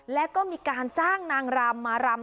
แล้วก็มีการจ้างนางรำมารำ